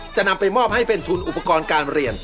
จะนำไปมอบให้เป็นทุนอุปกรณ์การเรียน